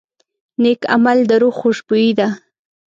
نیک عمل د روح خوشبويي ده.